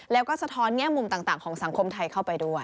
แล้วก็สะท้อนแง่มุมต่างของสังคมไทยเข้าไปด้วย